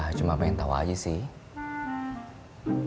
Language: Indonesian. ya cuma pengen tahu aja sih